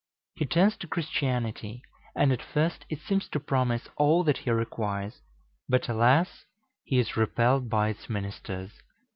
He turns to Christianity, and at first it seems to promise all that he requires. But alas! he is repelled by its ministers.